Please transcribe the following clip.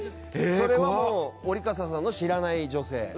それはもう折笠さんの知らない女性？